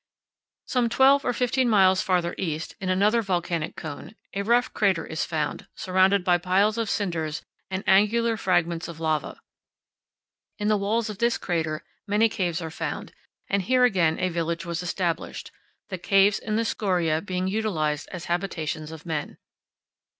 Some twelve or fifteen miles farther east, in another volcanic cone, a rough crater is found, surrounded by piles of cinders and angular powell canyons 20.jpg GREAT NECK NINE MILES SOUTH OF SALAZAR. fragments of lava. In the walls of this crater many caves are found, and here again a village was established, the caves in the scoria being utilized as habitations of men.